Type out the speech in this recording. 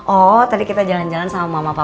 oh tadi kita jalan jalan sama mama